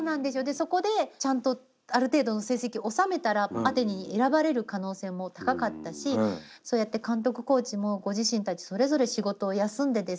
そこでちゃんとある程度の成績収めたらアテネに選ばれる可能性も高かったしそうやって監督コーチもご自身たちそれぞれ仕事を休んでですね来て下さってる。